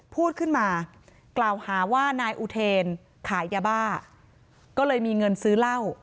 พูดขึ้นมากล่าวหาว่านายอุเทนขายยาบ้าก็เลยมีเงินซื้อเหล้า